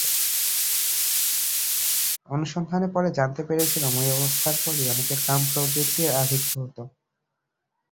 অনুসন্ধানে পরে জানতে পেরেছিলাম, ঐ অবস্থার পরই অনেকের কাম-প্রবৃত্তির আধিক্য হত।